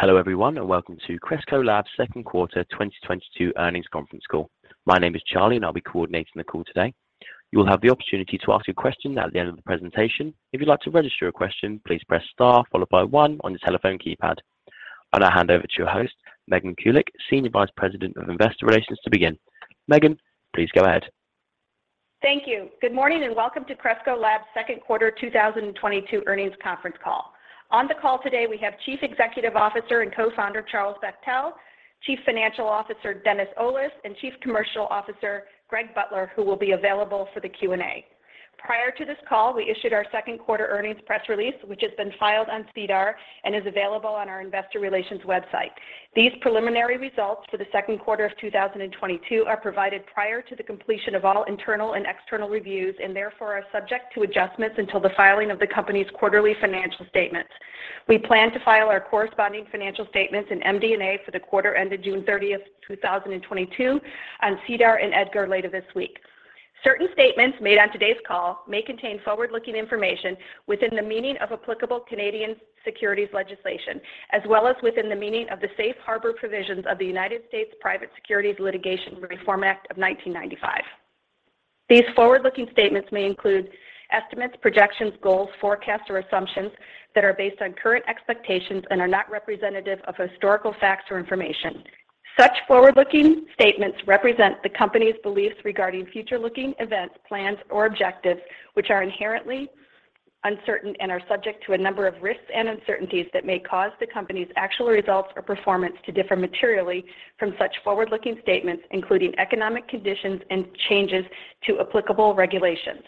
Hello, everyone, and welcome to Cresco Labs' Q2 2022 Earnings Conference Call. My name is Charlie, and I'll be coordinating the call today. You will have the opportunity to ask a question at the end of the presentation. If you'd like to register a question, please press star followed by one on your telephone keypad. I will hand over to your host, Megan Kulick, Senior Vice President of Investor Relations, to begin. Megan, please go ahead. Thank you. Good morning and welcome to Cresco Labs' Q2 2022 Earnings Conference Call. On the call today we have Chief Executive Officer and Co-founder, Charles Bachtell, Chief Financial Officer, Dennis Olis, and Chief Commercial Officer, Greg Butler, who will be available for the Q&A. Prior to this call, we issued our Q2 2022 earnings press release, which has been filed on SEDAR and is available on our investor relations website. These preliminary results for the Q2 of 2022 are provided prior to the completion of all internal and external reviews, and therefore are subject to adjustments until the filing of the company's quarterly financial statement. We plan to file our corresponding financial statements and MD&A for the quarter ended June 30, 2022 on SEDAR and EDGAR later this week. Certain statements made on today's call may contain forward-looking information within the meaning of applicable Canadian securities legislation, as well as within the meaning of the safe harbor provisions of the United States Private Securities Litigation Reform Act of 1995. These forward-looking statements may include estimates, projections, goals, forecasts, or assumptions that are based on current expectations and are not representative of historical facts or information. Such forward-looking statements represent the company's beliefs regarding future looking events, plans or objectives, which are inherently uncertain and are subject to a number of risks and uncertainties that may cause the company's actual results or performance to differ materially from such forward-looking statements, including economic conditions and changes to applicable regulations.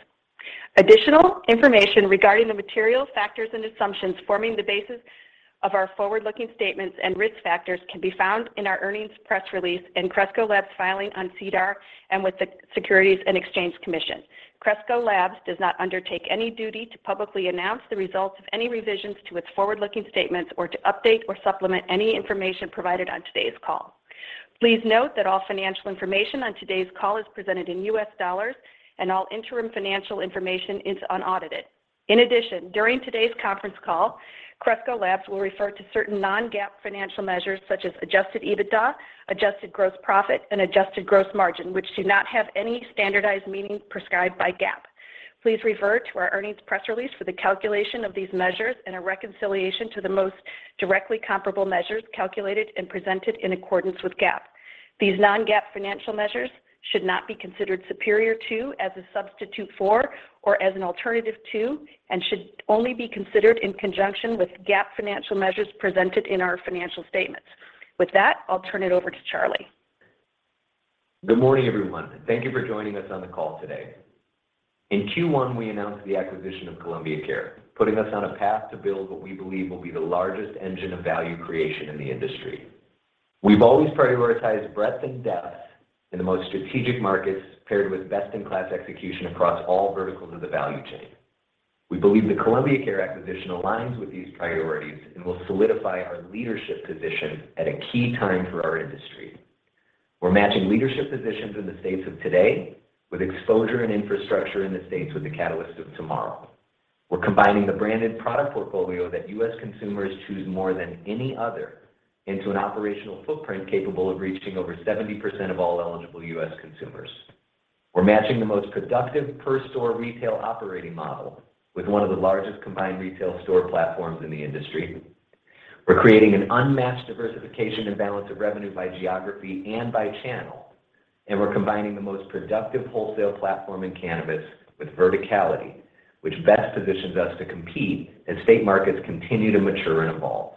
Additional information regarding the material factors and assumptions forming the basis of our forward-looking statements and risk factors can be found in our earnings press release and in Cresco Labs' filing on SEDAR and with the Securities and Exchange Commission. Cresco Labs does not undertake any duty to publicly announce the results of any revisions to its forward-looking statements or to update or supplement any information provided on today's call. Please note that all financial information on today's call is presented in U.S. dollars and all interim financial information is unaudited. In addition, during today's conference call, Cresco Labs will refer to certain non-GAAP financial measures such as Adjusted EBITDA, adjusted gross profit, and adjusted gross margin, which do not have any standardized meaning prescribed by GAAP. Please refer to our earnings press release for the calculation of these measures and a reconciliation to the most directly comparable measures calculated and presented in accordance with GAAP. These non-GAAP financial measures should not be considered superior to, as a substitute for, or as an alternative to, and should only be considered in conjunction with GAAP financial measures presented in our financial statements. With that, I'll turn it over to Charlie. Good morning, everyone, and thank you for joining us on the call today. In Q1, we announced the acquisition of Columbia Care, putting us on a path to build what we believe will be the largest engine of value creation in the industry. We've always prioritized breadth and depth in the most strategic markets, paired with best-in-class execution across all verticals of the value chain. We believe the Columbia Care acquisition aligns with these priorities and will solidify our leadership position at a key time for our industry. We're matching leadership positions in the states of today with exposure and infrastructure in the states with the catalyst of tomorrow. We're combining the branded product portfolio that U.S. consumers choose more than any other into an operational footprint capable of reaching over 70% of all eligible U.S. consumers. We're matching the most productive per store retail operating model with one of the largest combined retail store platforms in the industry. We're creating an unmatched diversification and balance of revenue by geography and by channel. We're combining the most productive wholesale platform in cannabis with verticality, which best positions us to compete as state markets continue to mature and evolve.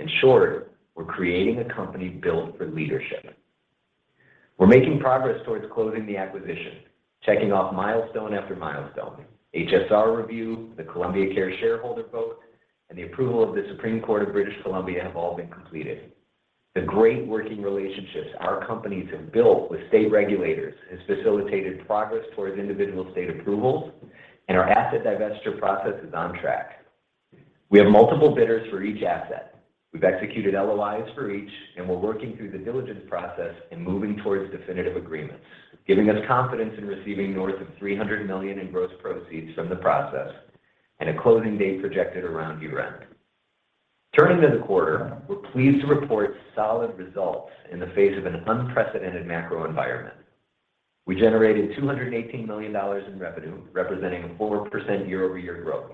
In short, we're creating a company built for leadership. We're making progress towards closing the acquisition, checking off milestone after milestone. HSR review, the Columbia Care shareholder vote, and the approval of the Supreme Court of British Columbia have all been completed. The great working relationships our companies have built with state regulators has facilitated progress towards individual state approvals, and our asset divestiture process is on track. We have multiple bidders for each asset. We've executed LOIs for each, and we're working through the diligence process and moving towards definitive agreements, giving us confidence in receiving north of $300 million in gross proceeds from the process and a closing date projected around year-end. Turning to the quarter, we're pleased to report solid results in the face of an unprecedented macro environment. We generated $218 million in revenue, representing 4% year-over-year growth.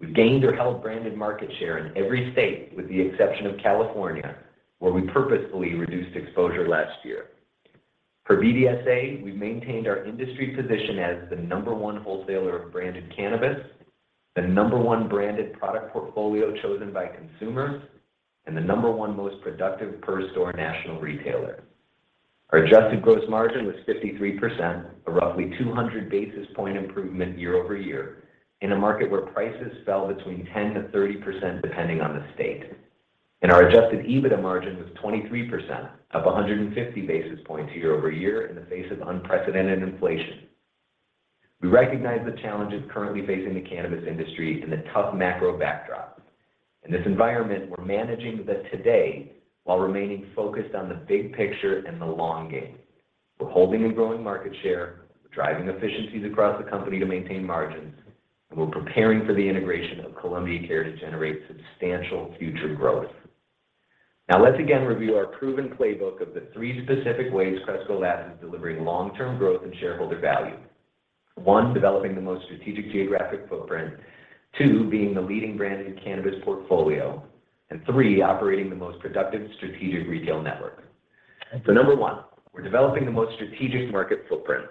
We've gained or held branded market share in every state with the exception of California, where we purposefully reduced exposure last year. For BDSA, we've maintained our industry position as the number one wholesaler of branded cannabis, the number one branded product portfolio chosen by consumers, and the number one most productive per store national retailer. Our adjusted gross margin was 53%, a roughly 200 basis points improvement year-over-year in a market where prices fell between 10%-30% depending on the state. Our Adjusted EBITDA margin was 23%, up 150 basis points year-over-year in the face of unprecedented inflation. We recognize the challenges currently facing the cannabis industry in a tough macro backdrop. In this environment, we're managing the today while remaining focused on the big picture and the long game. We're holding and growing market share, we're driving efficiencies across the company to maintain margins. We're preparing for the integration of Columbia Care to generate substantial future growth. Now let's again review our proven playbook of the three specific ways Cresco Labs is delivering long-term growth and shareholder value. One, developing the most strategic geographic footprint. Two, being the leading brand in cannabis portfolio. Three, operating the most productive strategic retail network. Number one, we're developing the most strategic market footprint.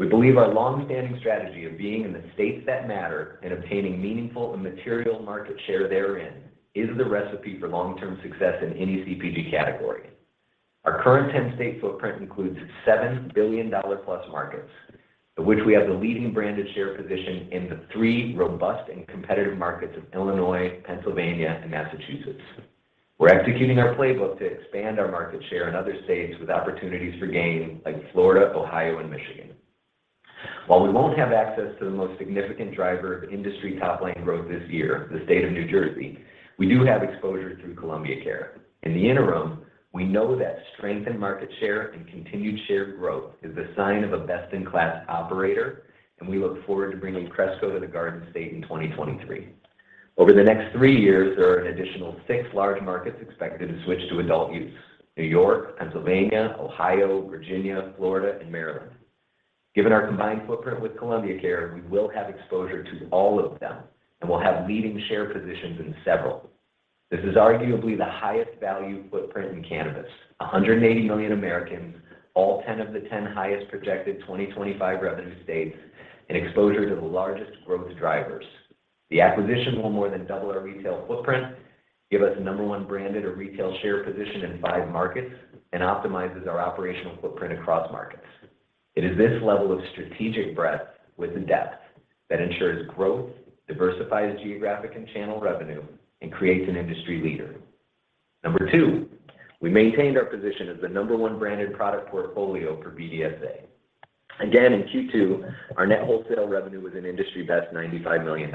We believe our long-standing strategy of being in the states that matter and obtaining meaningful and material market share therein is the recipe for long-term success in any CPG category. Our current 10-state footprint includes $7 billion-plus markets, of which we have the leading branded share position in the three robust and competitive markets of Illinois, Pennsylvania, and Massachusetts. We're executing our playbook to expand our market share in other states with opportunities for gain like Florida, Ohio, and Michigan. While we won't have access to the most significant driver of industry top-line growth this year, the state of New Jersey, we do have exposure through Columbia Care. In the interim, we know that strength in market share and continued share growth is a sign of a best-in-class operator, and we look forward to bringing Cresco to the Garden State in 2023. Over the next three years, there are an additional six large markets expected to switch to adult use, New York, Pennsylvania, Ohio, Virginia, Florida, and Maryland. Given our combined footprint with Columbia Care, we will have exposure to all of them and will have leading share positions in several. This is arguably the highest value footprint in cannabis, 180 million Americans, all 10 of the 10 highest projected 2025 revenue states, and exposure to the largest growth drivers. The acquisition will more than double our retail footprint, give us the number one branded or retail share position in five markets, and optimizes our operational footprint across markets. It is this level of strategic breadth with the depth that ensures growth, diversifies geographic and channel revenue, and creates an industry leader. Two, we maintained our position as the number 1 branded product portfolio for BDSA. Again, in Q2, our net wholesale revenue was an industry best $95 million.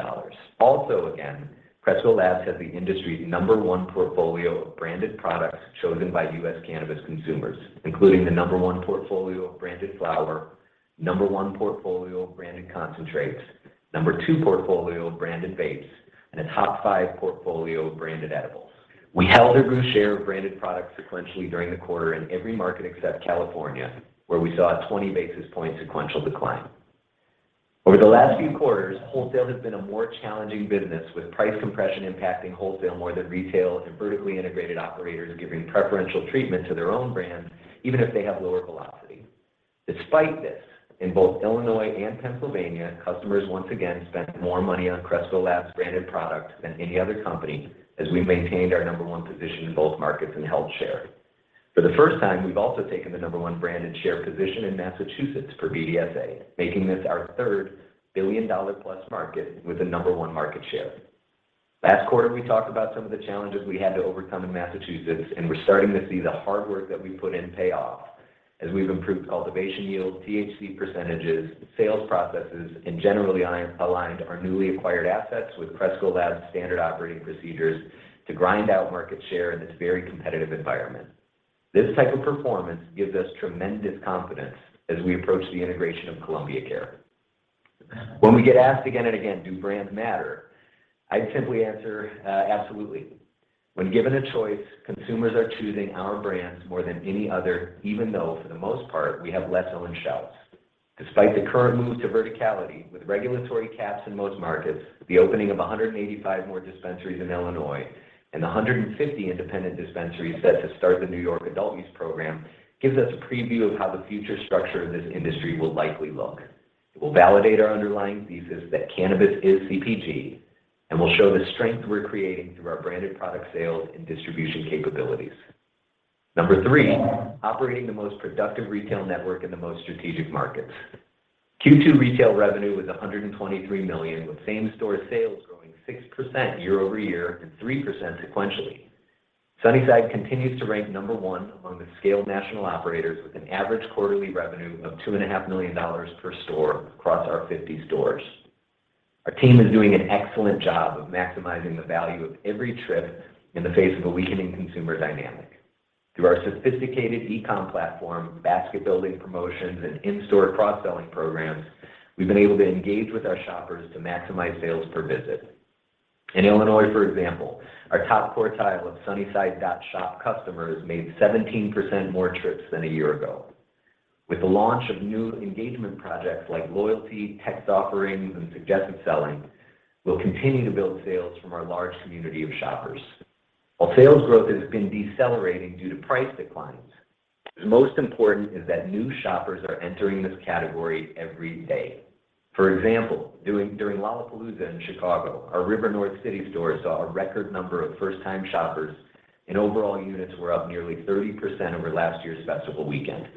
Also again, Cresco Labs has the industry's number one portfolio of branded products chosen by U.S. cannabis consumers, including the number one portfolio of branded flower, number one portfolio of branded concentrates, number two portfolio of branded vapes, and a top five portfolio of branded edibles. We held or grew share of branded products sequentially during the quarter in every market except California, where we saw a 20 basis point sequential decline. Over the last few quarters, wholesale has been a more challenging business with price compression impacting wholesale more than retail and vertically integrated operators giving preferential treatment to their own brands, even if they have lower velocity. Despite this, in both Illinois and Pennsylvania, customers once again spent more money on Cresco Labs branded product than any other company as we maintained our number one position in both markets and held share. For the first time, we've also taken the number one branded share position in Massachusetts for BDSA, making this our third billion-dollar-plus market with the number one market share. Last quarter, we talked about some of the challenges we had to overcome in Massachusetts, and we're starting to see the hard work that we put in pay off as we've improved cultivation yields, THC percentages, sales processes, and generally aligned our newly acquired assets with Cresco Labs standard operating procedures to grind out market share in this very competitive environment. This type of performance gives us tremendous confidence as we approach the integration of Columbia Care. When we get asked again and again, do brands matter? I'd simply answer, absolutely. When given a choice, consumers are choosing our brands more than any other, even though for the most part, we have less on shelves. Despite the current move to verticality with regulatory caps in most markets, the opening of 185 more dispensaries in Illinois and the 150 independent dispensaries set to start the New York adult use program gives us a preview of how the future structure of this industry will likely look. It will validate our underlying thesis that cannabis is CPG and will show the strength we're creating through our branded product sales and distribution capabilities. Number three, operating the most productive retail network in the most strategic markets. Q2 retail revenue was $123 million with same store sales growing 6% year-over-year and 3% sequentially. Sunnyside continues to rank number one among the scaled national operators with an average quarterly revenue of $2.5 million per store across our 50 stores. Our team is doing an excellent job of maximizing the value of every trip in the face of a weakening consumer dynamic. Through our sophisticated e-com platform, basket building promotions, and in-store cross-selling programs, we've been able to engage with our shoppers to maximize sales per visit. In Illinois, for example, our top quartile of Sunnyside.shop customers made 17% more trips than a year ago. With the launch of new engagement projects like loyalty, text offerings, and suggested selling, we'll continue to build sales from our large community of shoppers. While sales growth has been decelerating due to price declines, the most important is that new shoppers are entering this category every day. For example, during Lollapalooza in Chicago, our River North City store saw a record number of first-time shoppers and overall units were up nearly 30% over last year's festival weekend.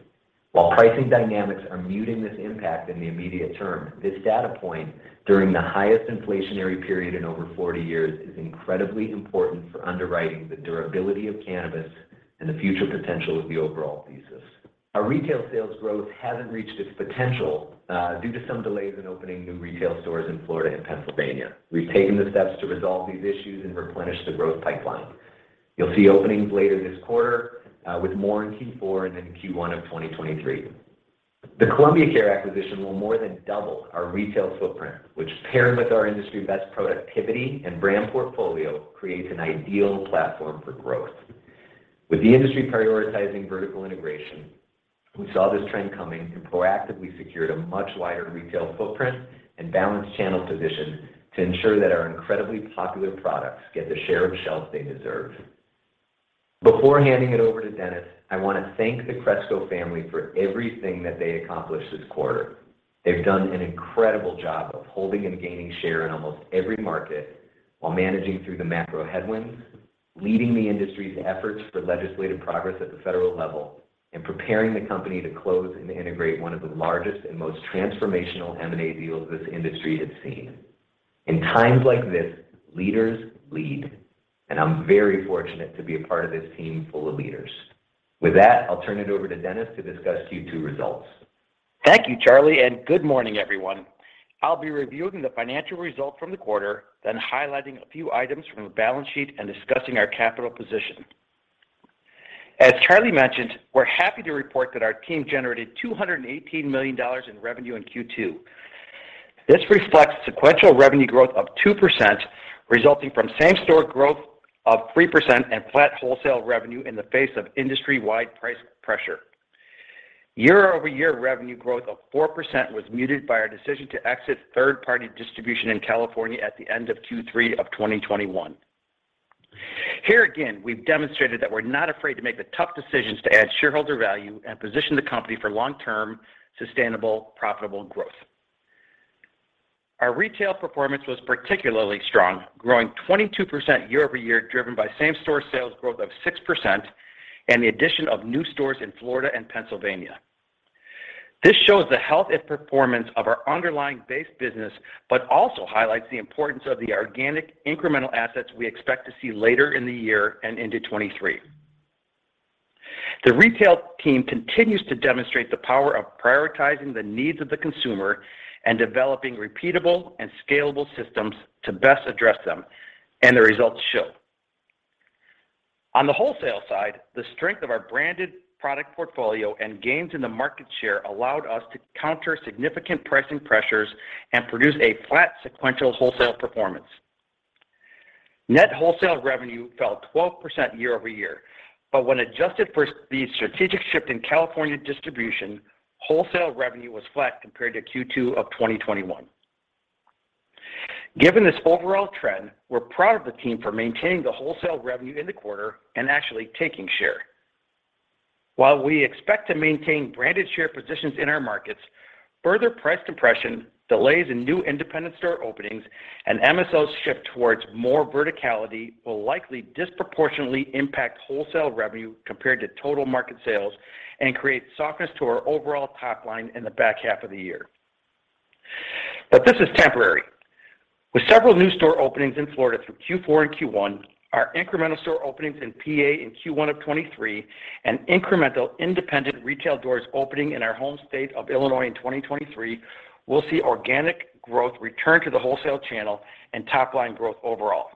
While pricing dynamics are muting this impact in the immediate term, this data point during the highest inflationary period in over 40 years is incredibly important for underwriting the durability of cannabis and the future potential of the overall thesis. Our retail sales growth hasn't reached its potential due to some delays in opening new retail stores in Florida and Pennsylvania. We've taken the steps to resolve these issues and replenish the growth pipeline. You'll see openings later this quarter with more in Q4 and then Q1 of 2023. The Columbia Care acquisition will more than double our retail footprint, which paired with our industry best productivity and brand portfolio, creates an ideal platform for growth. With the industry prioritizing vertical integration, we saw this trend coming and proactively secured a much wider retail footprint and balanced channel position to ensure that our incredibly popular products get the share of shelf they deserve. Before handing it over to Dennis, I want to thank the Cresco family for everything that they accomplished this quarter. They've done an incredible job of holding and gaining share in almost every market while managing through the macro headwinds, leading the industry's efforts for legislative progress at the federal level, and preparing the company to close and integrate one of the largest and most transformational M&A deals this industry has seen. In times like this, leaders lead, and I'm very fortunate to be a part of this team full of leaders. With that, I'll turn it over to Dennis to discuss Q2 results. Thank you, Charlie, and good morning, everyone. I'll be reviewing the financial results from the quarter, then highlighting a few items from the balance sheet and discussing our capital position. As Charlie mentioned, we're happy to report that our team generated $218 million in revenue in Q2. This reflects sequential revenue growth of 2%, resulting from same-store growth of 3% and flat wholesale revenue in the face of industry-wide price pressure. Year-over-year revenue growth of 4% was muted by our decision to exit third-party distribution in California at the end of Q3 of 2021. Here again, we've demonstrated that we're not afraid to make the tough decisions to add shareholder value and position the company for long-term, sustainable, profitable growth. Our retail performance was particularly strong, growing 22% year-over-year, driven by same-store sales growth of 6% and the addition of new stores in Florida and Pennsylvania. This shows the health and performance of our underlying base business, but also highlights the importance of the organic incremental assets we expect to see later in the year and into 2023. The retail team continues to demonstrate the power of prioritizing the needs of the consumer and developing repeatable and scalable systems to best address them, and the results show. On the wholesale side, the strength of our branded product portfolio and gains in the market share allowed us to counter significant pricing pressures and produce a flat sequential wholesale performance. Net wholesale revenue fell 12% year-over-year, but when adjusted for the strategic shift in California distribution, wholesale revenue was flat compared to Q2 of 2021. Given this overall trend, we're proud of the team for maintaining the wholesale revenue in the quarter and actually taking share. While we expect to maintain branded share positions in our markets, further price compression, delays in new independent store openings, and MSOs shift towards more verticality will likely disproportionately impact wholesale revenue compared to total market sales and create softness to our overall top line in the back half of the year. This is temporary. With several new store openings in Florida through Q4 and Q1, our incremental store openings in PA in Q1 of 2023, and incremental independent retail doors opening in our home state of Illinois in 2023, we'll see organic growth return to the wholesale channel and top line growth overall.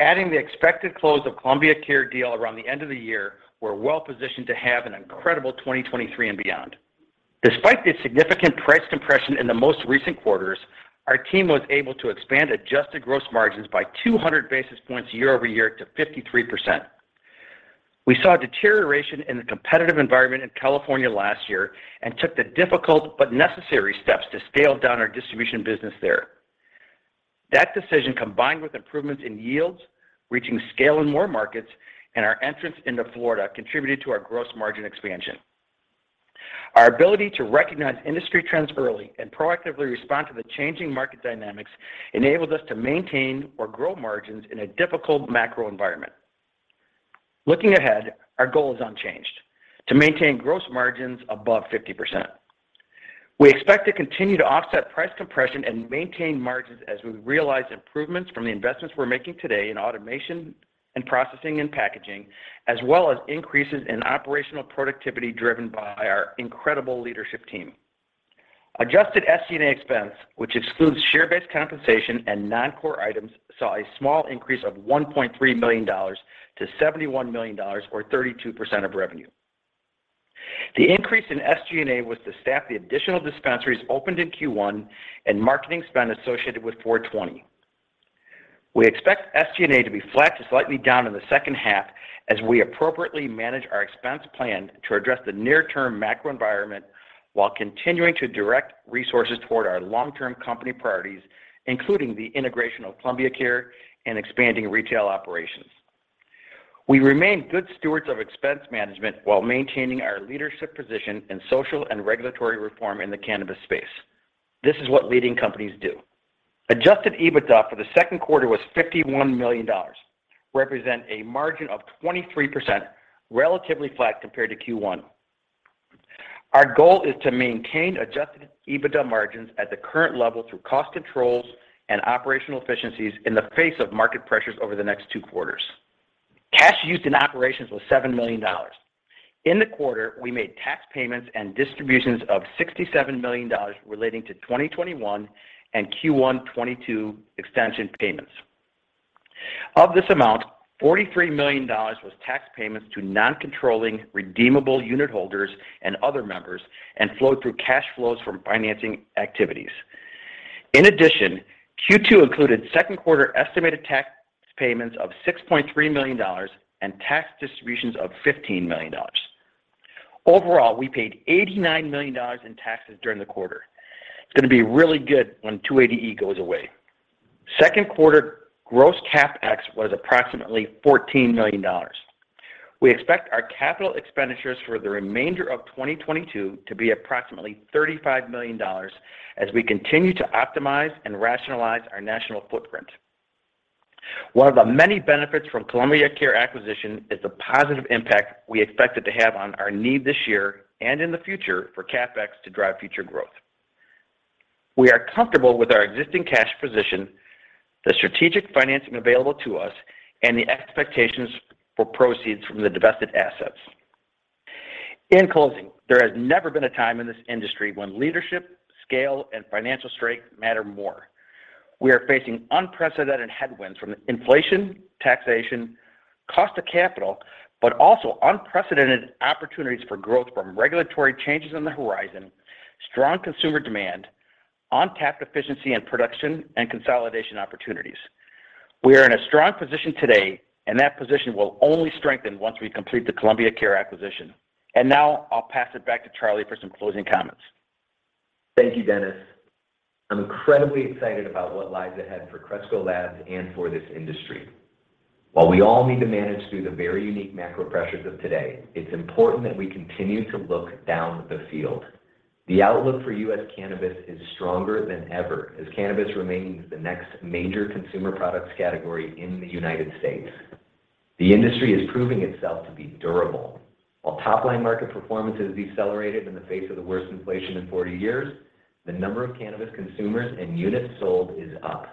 Adding the expected close of Columbia Care deal around the end of the year, we're well positioned to have an incredible 2023 and beyond. Despite the significant price compression in the most recent quarters, our team was able to expand adjusted gross margins by 200 basis points year-over-year to 53%. We saw deterioration in the competitive environment in California last year and took the difficult but necessary steps to scale down our distribution business there. That decision combined with improvements in yields, reaching scale in more markets, and our entrance into Florida contributed to our gross margin expansion. Our ability to recognize industry trends early and proactively respond to the changing market dynamics enabled us to maintain or grow margins in a difficult macro environment. Looking ahead, our goal is unchanged, to maintain gross margins above 50%. We expect to continue to offset price compression and maintain margins as we realize improvements from the investments we're making today in automation and processing and packaging, as well as increases in operational productivity driven by our incredible leadership team. Adjusted SG&A expense, which excludes share-based compensation and non-core items, saw a small increase of $1.3 to 71 million, or 32% of revenue. The increase in SG&A was to staff the additional dispensaries opened in Q1 and marketing spend associated with 420. We expect SG&A to be flat to slightly down in the second half as we appropriately manage our expense plan to address the near-term macro environment while continuing to direct resources toward our long-term company priorities, including the integration of Columbia Care and expanding retail operations. We remain good stewards of expense management while maintaining our leadership position in social and regulatory reform in the cannabis space. This is what leading companies do. Adjusted EBITDA for Q2 was $51 million, representing a margin of 23%, relatively flat compared to Q1. Our goal is to maintain Adjusted EBITDA margins at the current level through cost controls and operational efficiencies in the face of market pressures over the next two quarters. Cash used in operations was $7 million. In the quarter, we made tax payments and distributions of $67 million relating to 2021 and Q1 2022 extension payments. Of this amount, $43 million was tax payments to non-controlling redeemable unit holders and other members, and flowed through cash flows from financing activities. In addition, Q2 included Q2 estimated tax payments of $6.3 million and tax distributions of $15 million. Overall, we paid $89 million in taxes during the quarter. It's gonna be really good when 280E goes away. Q2 gross CapEx was approximately $14 million. We expect our capital expenditures for the remainder of 2022 to be approximately $35 million as we continue to optimize and rationalize our national footprint. One of the many benefits from Columbia Care acquisition is the positive impact we expected to have on our need this year and in the future for CapEx to drive future growth. We are comfortable with our existing cash position, the strategic financing available to us, and the expectations for proceeds from the divested assets. In closing, there has never been a time in this industry when leadership, scale, and financial strength matter more. We are facing unprecedented headwinds from inflation, taxation, cost of capital, but also unprecedented opportunities for growth from regulatory changes on the horizon, strong consumer demand, untapped efficiency and production, and consolidation opportunities. We are in a strong position today, and that position will only strengthen once we complete the Columbia Care acquisition. Now I'll pass it back to Charlie for some closing comments. Thank you, Dennis. I'm incredibly excited about what lies ahead for Cresco Labs and for this industry. While we all need to manage through the very unique macro pressures of today, it's important that we continue to look down the field. The outlook for U.S. cannabis is stronger than ever, as cannabis remains the next major consumer products category in the United States. The industry is proving itself to be durable. While top-line market performance has decelerated in the face of the worst inflation in 40 years, the number of cannabis consumers and units sold is up.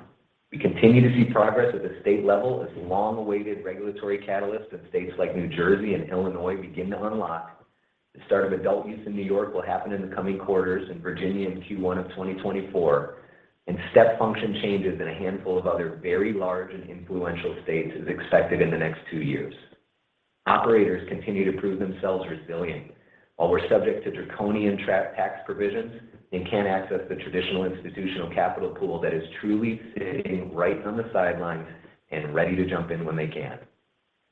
We continue to see progress at the state level as long-awaited regulatory catalysts in states like New Jersey and Illinois begin to unlock. The start of adult use in New York will happen in the coming quarters, in Virginia in Q1 of 2024, and step function changes in a handful of other very large and influential states is expected in the next two years. Operators continue to prove themselves resilient while we're subject to draconian tax provisions and can't access the traditional institutional capital pool that is truly sitting right on the sidelines and ready to jump in when they can.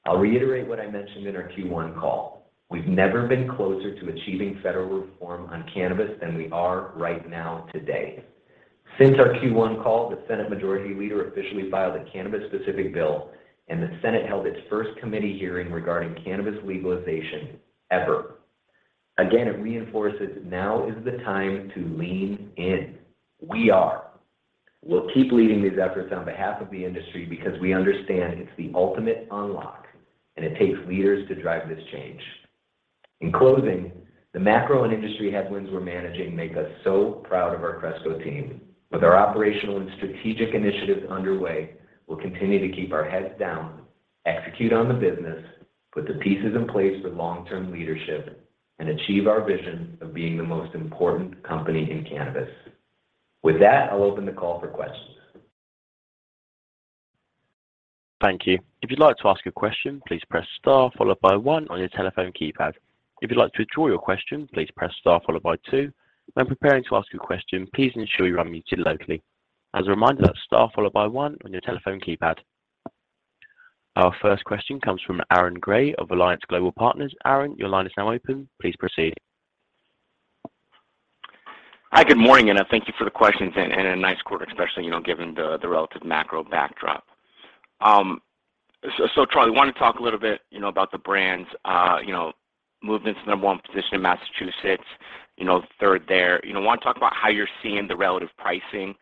I'll reiterate what I mentioned in our Q1 call. We've never been closer to achieving federal reform on cannabis than we are right now today. Since our Q1 call, the Senate Majority Leader officially filed a cannabis-specific bill, and the Senate held its first committee hearing regarding cannabis legalization ever. Again, it reinforces now is the time to lean in. We are. We'll keep leading these efforts on behalf of the industry because we understand it's the ultimate unlock, and it takes leaders to drive this change. In closing, the macro and industry headwinds we're managing make us so proud of our Cresco team. With our operational and strategic initiatives underway, we'll continue to keep our heads down, execute on the business, put the pieces in place for long-term leadership, and achieve our vision of being the most important company in cannabis. With that, I'll open the call for questions. Thank you. If you'd like to ask a question, please press star followed by one on your telephone keypad. If you'd like to withdraw your question, please press star followed by two. When preparing to ask a question, please ensure you're unmuted locally. As a reminder, that's star followed by one on your telephone keypad. Our first question comes from Aaron Grey of Alliance Global Partners. Aaron, your line is now open. Please proceed. Hi, good morning, and thank you for the questions and a nice quarter, especially, you know, given the relative macro backdrop. So, Charlie, want to talk a little bit, you know, about the brands' movements to number one position in Massachusetts, you know, third there. You know, want to talk about how you're seeing the relative pricing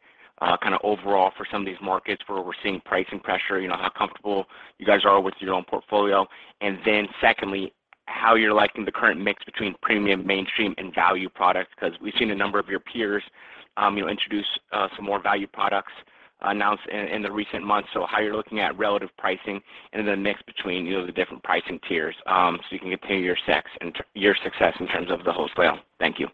kind of overall for some of these markets, where we're seeing pricing pressure, you know, how comfortable you guys are with your own portfolio? And then secondly, how you're liking the current mix between premium, mainstream, and value products? Because we've seen a number of your peers introduce some more value products announced in the recent months. How you're looking at relative pricing and the mix between, you know, the different pricing tiers, so you can continue your success in terms of the wholesale. Thank you.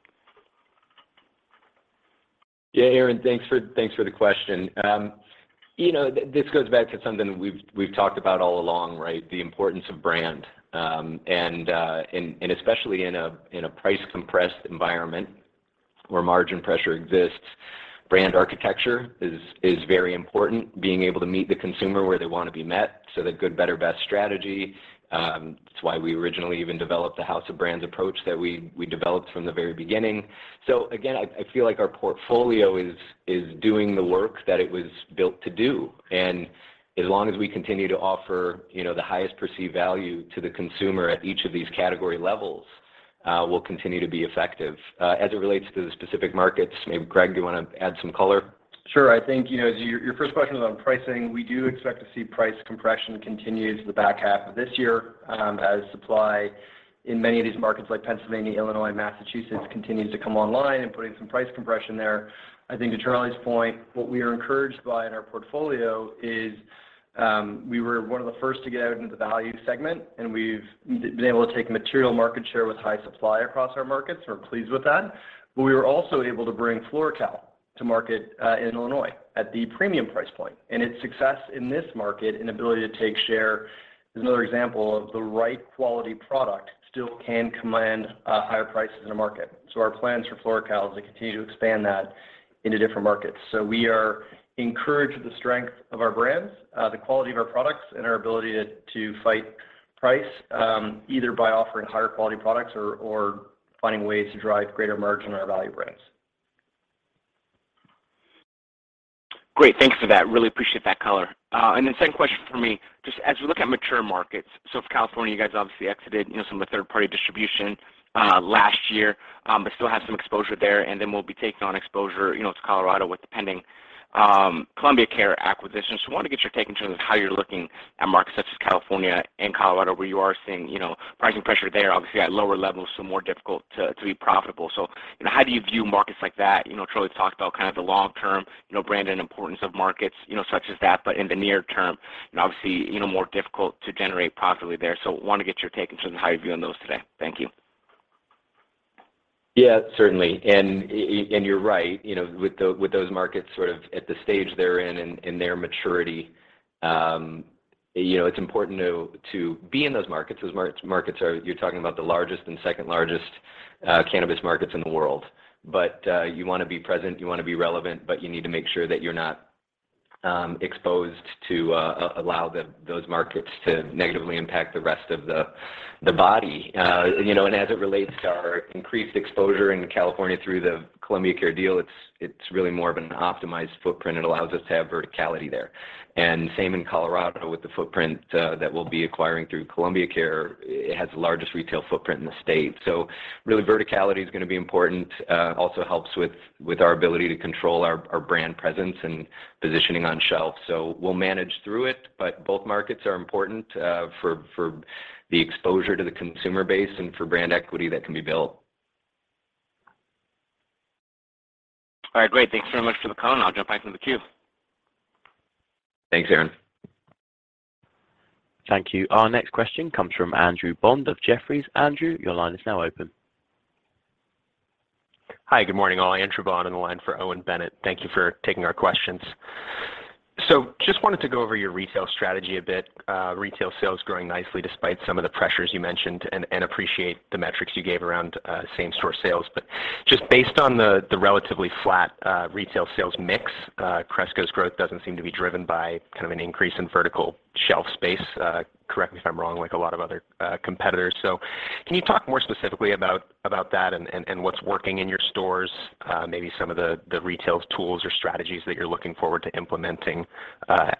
Yeah, Aaron, thanks for the question. You know, this goes back to something we've talked about all along, right? The importance of brand. And especially in a price-compressed environment where margin pressure exists, brand architecture is very important, being able to meet the consumer where they wanna be met, so that good, better, best strategy. It's why we originally even developed the House of Brands approach that we developed from the very beginning. Again, I feel like our portfolio is doing the work that it was built to do. As long as we continue to offer, you know, the highest perceived value to the consumer at each of these category levels, we'll continue to be effective. As it relates to the specific markets, maybe Greg, do you wanna add some color? Sure. I think, you know, as your first question was on pricing, we do expect to see price compression continue into the back half of this year, as supply in many of these markets like Pennsylvania, Illinois, Massachusetts continues to come online and putting some price compression there. I think to Charlie's point, what we are encouraged by in our portfolio is, we were one of the first to get out into the value segment, and we've been able to take material market share with high supply across our markets. We're pleased with that. We were also able to bring FloraCal Farms to market in Illinois at the premium price point. Its success in this market and ability to take share is another example of the right quality product still can command higher prices in the market. Our plans for FloraCal is to continue to expand that into different markets. We are encouraged with the strength of our brands, the quality of our products, and our ability to fight price either by offering higher quality products or finding ways to drive greater margin on our value brands. Great. Thanks for that. Really appreciate that color. Second question for me, just as we look at mature markets, so for California, you guys obviously exited, you know, some of the third-party distribution, last year, but still have some exposure there. We'll be taking on exposure, you know, to Colorado with the pending Columbia Care acquisition. Wanna get your take in terms of how you're looking at markets such as California and Colorado, where you are seeing, you know, pricing pressure there, obviously at lower levels, so more difficult to be profitable. You know, how do you view markets like that? You know, Charlie talked about kind of the long term, you know, brand and importance of markets, you know, such as that, but in the near term and obviously, you know, more difficult to generate profitably there. Wanna get your take in terms of how you're viewing those today. Thank you. Yeah, certainly. You're right, you know, with those markets sort of at the stage they're in their maturity, you know, it's important to be in those markets. Those markets are. You're talking about the largest and second largest cannabis markets in the world. You wanna be present, you wanna be relevant, but you need to make sure that you're not exposed to allow those markets to negatively impact the rest of the body. You know, as it relates to our increased exposure in California through the Columbia Care deal, it's really more of an optimized footprint. It allows us to have verticality there. Same in Colorado with the footprint that we'll be acquiring through Columbia Care. It has the largest retail footprint in the state. Really, verticality is gonna be important, also helps with our ability to control our brand presence and positioning on shelf. We'll manage through it, but both markets are important, for the exposure to the consumer base and for brand equity that can be built. All right, great. Thanks very much for the call, and I'll jump back into the queue. Thanks, Aaron. Thank you. Our next question comes from Andrew Bond of Jefferies. Andrew, your line is now open. Hi, good morning, all. Andrew Bond on the line for Owen Bennett. Thank you for taking our questions. Just wanted to go over your retail strategy a bit. Retail sales growing nicely despite some of the pressures you mentioned, and appreciate the metrics you gave around same-store sales. Just based on the relatively flat retail sales mix, Cresco's growth doesn't seem to be driven by kind of an increase in vertical shelf space, correct me if I'm wrong, like a lot of other competitors. Can you talk more specifically about that and what's working in your stores, maybe some of the retail tools or strategies that you're looking forward to implementing,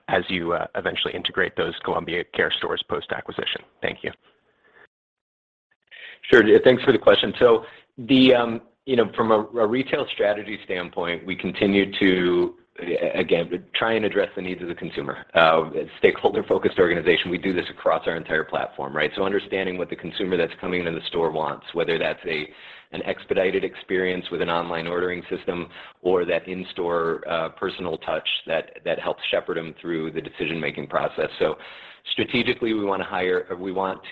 as you eventually integrate those Columbia Care stores post-acquisition? Thank you. Sure. Yeah, thanks for the question. The, you know, from a retail strategy standpoint, we continue to try and address the needs of the consumer. As a stakeholder-focused organization, we do this across our entire platform, right? Understanding what the consumer that's coming into the store wants, whether that's an expedited experience with an online ordering system or that in-store personal touch that helps shepherd them through the decision-making process. Strategically, we want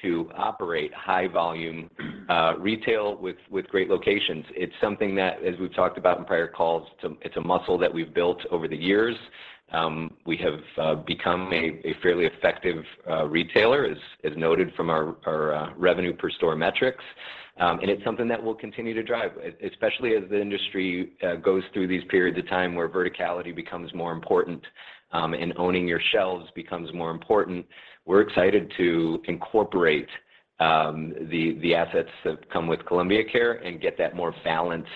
to operate high volume retail with great locations. It's something that, as we've talked about in prior calls, it's a muscle that we've built over the years. We have become a fairly effective retailer as noted from our revenue per store metrics. It's something that we'll continue to drive, especially as the industry goes through these periods of time where verticality becomes more important, and owning your shelves becomes more important. We're excited to incorporate the assets that come with Columbia Care and get that more balanced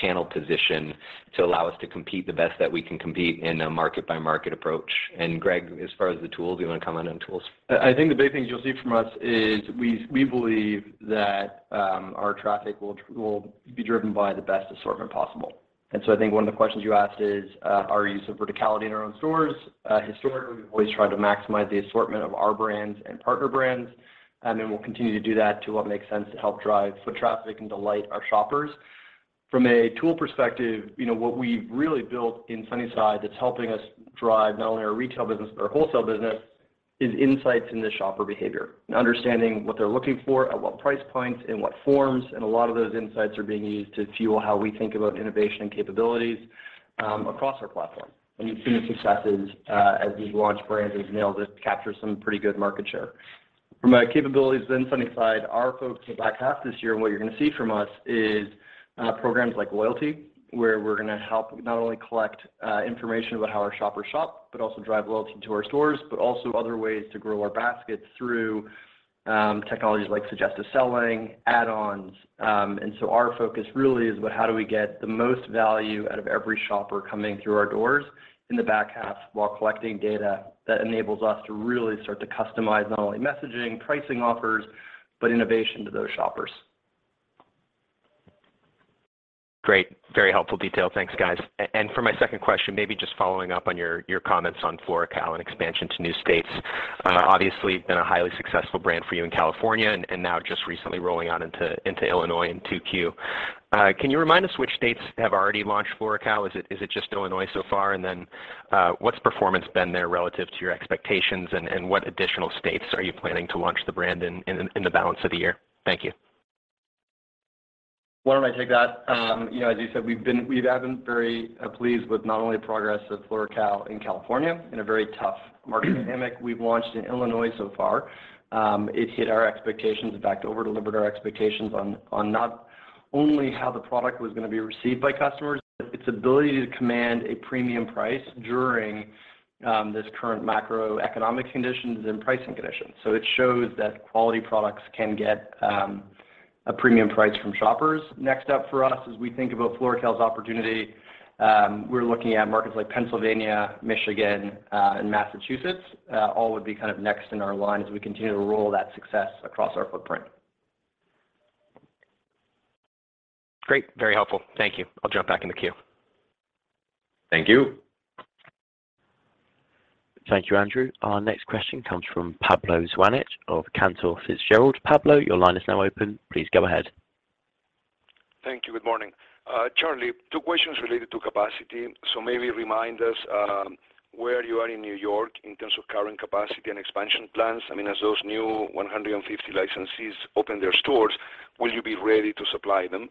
channel position to allow us to compete the best that we can compete in a market-by-market approach. Greg, as far as the tools, do you wanna comment on tools? I think the big things you'll see from us is we believe that our traffic will be driven by the best assortment possible. I think one of the questions you asked is our use of verticality in our own stores. Historically, we've always tried to maximize the assortment of our brands and partner brands, and then we'll continue to do that to what makes sense to help drive foot traffic and delight our shoppers. From a tool perspective, you know, what we've really built in Sunnyside that's helping us drive not only our retail business but our wholesale business, is insights into shopper behavior and understanding what they're looking for at what price points, in what forms. A lot of those insights are being used to fuel how we think about innovation and capabilities across our platform. You've seen the successes as we've launched brands, as Neil just captured some pretty good market share. From a capabilities lens, Sunnyside, our folks in the back half of this year, and what you're gonna see from us is programs like loyalty, where we're gonna help not only collect information about how our shoppers shop, but also drive loyalty to our stores, but also other ways to grow our baskets through technologies like suggestive selling, add-ons. Our focus really is about how do we get the most value out of every shopper coming through our doors in the back half while collecting data that enables us to really start to customize not only messaging, pricing offers, but innovation to those shoppers. Great. Very helpful detail. Thanks, guys. For my second question, maybe just following up on your comments on FloraCal and expansion to new states. Obviously been a highly successful brand for you in California and now just recently rolling out into Illinois in Q2. Can you remind us which states have already launched FloraCal? Is it just Illinois so far? Then, what's performance been there relative to your expectations, and what additional states are you planning to launch the brand in the balance of the year? Thank you. Why don't I take that? You know, as you said, we have been very pleased with not only progress with FloraCal in California in a very tough market dynamic. We've launched in Illinois so far. It hit our expectations. In fact, over-delivered our expectations on not only how the product was gonna be received by customers, but its ability to command a premium price during this current macroeconomic conditions and pricing conditions. It shows that quality products can get a premium price from shoppers. Next up for us as we think about FloraCal's opportunity, we're looking at markets like Pennsylvania, Michigan, and Massachusetts. All would be kind of next in our line as we continue to roll that success across our footprint. Great. Very helpful. Thank you. I'll jump back in the queue. Thank you. Thank you, Andrew. Our next question comes from Pablo Zuanic of Cantor Fitzgerald. Pablo, your line is now open. Please go ahead. Thank you. Good morning. Charlie, two questions related to capacity. Maybe remind us, where you are in New York in terms of current capacity and expansion plans. I mean, as those new 150 licensees open their stores, will you be ready to supply them?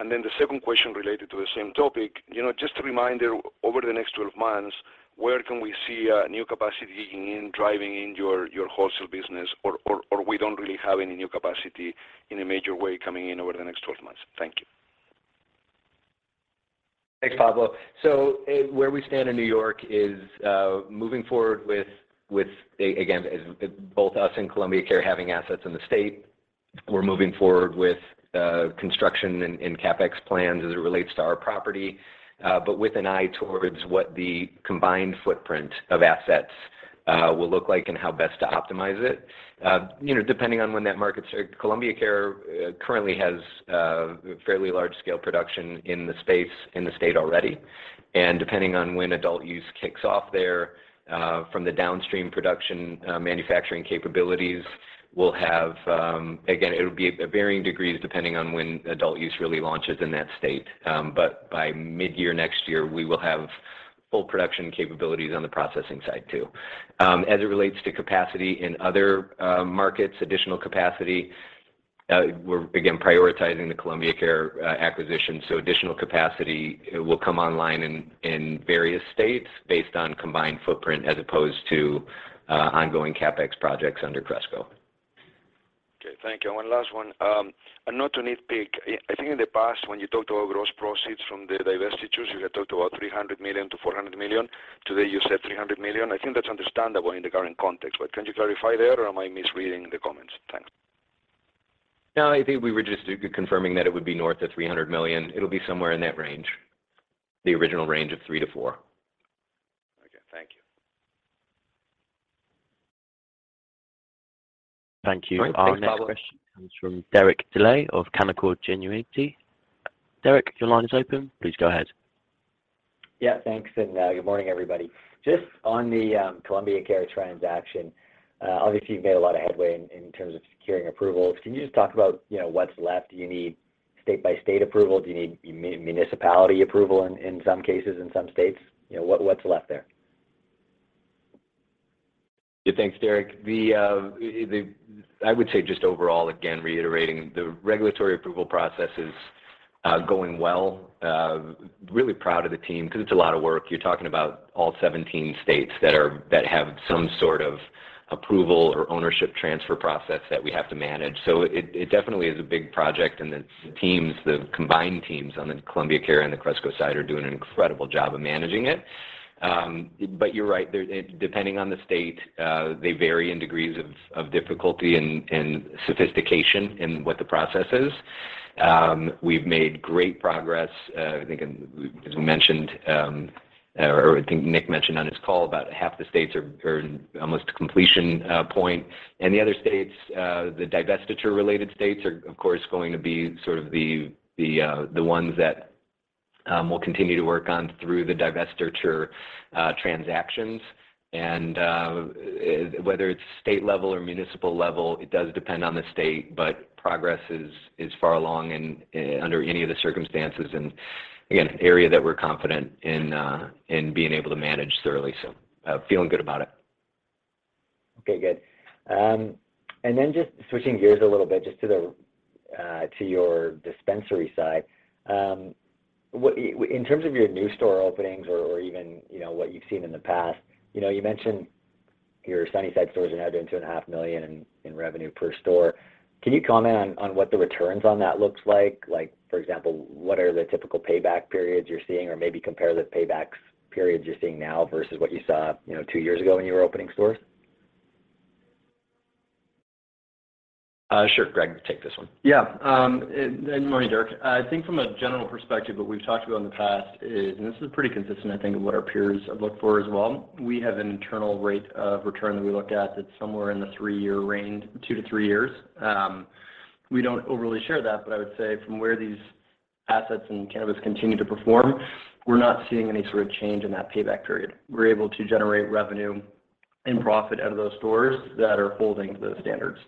The second question related to the same topic, you know, just a reminder, over the next 12 months, where can we see, new capacity kicking in, driving in your wholesale business or we don't really have any new capacity in a major way coming in over the next 12 months? Thank you. Thanks, Pablo. Where we stand in New York is moving forward with, as both us and Columbia Care having assets in the state, we're moving forward with construction and CapEx plans as it relates to our property, but with an eye towards what the combined footprint of assets will look like and how best to optimize it. You know, Columbia Care currently has fairly large scale production in the space in the state already. Depending on when adult use kicks off there, from the downstream production manufacturing capabilities, we'll have. Again, it'll be varying degrees depending on when adult use really launches in that state. By mid-year next year, we will have full production capabilities on the processing side too. As it relates to capacity in other markets, additional capacity, we're again prioritizing the Columbia Care acquisition, so additional capacity will come online in various states based on combined footprint as opposed to ongoing CapEx projects under Cresco. Okay, thank you. One last one. Not to nitpick, I think in the past when you talked about gross proceeds from the divestitures, you had talked about $300-400 million. Today, you said $300 million. I think that's understandable in the current context, but can you clarify that or am I misreading the comments? Thanks. No, I think we were just confirming that it would be north of $300 million. It'll be somewhere in that range, the original range of $300-400 million. Okay, thank you. Thank you. Thanks, Pablo. Our next question comes from Derek Dley of Canaccord Genuity. Derek, your line is open. Please go ahead. Yeah, thanks, good morning, everybody. Just on the Columbia Care transaction, obviously you've made a lot of headway in terms of securing approvals. Can you just talk about, you know, what's left? Do you need state-by-state approval? Do you need municipality approval in some cases, in some states? You know, what's left there? Yeah, thanks, Derek. I would say just overall, again, reiterating the regulatory approval process is going well. Really proud of the team because it's a lot of work. You're talking about all 17 states that have some sort of approval or ownership transfer process that we have to manage. It definitely is a big project, and the teams, the combined teams on the Columbia Care and the Cresco side are doing an incredible job of managing it. You're right. Depending on the state, they vary in degrees of difficulty and sophistication in what the process is. We've made great progress, I think as we mentioned, or I think Nick mentioned on his call, about half the states are in almost completion point. The other states, the divestiture-related states are, of course, going to be sort of the ones that we'll continue to work on through the divestiture transactions. Whether it's state level or municipal level, it does depend on the state, but progress is far along and under any of the circumstances, and again, an area that we're confident in being able to manage thoroughly. Feeling good about it. Okay, good. Just switching gears a little bit to your dispensary side. In terms of your new store openings or even, you know, what you've seen in the past, you know, you mentioned your Sunnyside stores are now doing $2.5 million in revenue per store. Can you comment on what the returns on that looks like? Like, for example, what are the typical payback periods you're seeing? Or maybe compare the payback periods you're seeing now versus what you saw, you know, two years ago when you were opening stores. Sure. Greg, take this one. Good morning, Derek. I think from a general perspective, what we've talked about in the past is, and this is pretty consistent, I think, of what our peers have looked for as well. We have an internal rate of return that we look at that's somewhere in the three-year range, two to three years. We don't overly share that, but I would say from where these assets in cannabis continue to perform, we're not seeing any sort of change in that payback period. We're able to generate revenue and profit out of those stores that are holding to the standards.